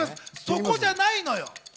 そこじゃないのよ。